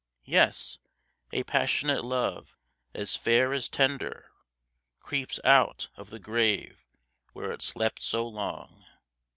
Yes, a passionate love, as fair as tender, Creeps out of the grave where it slept so long.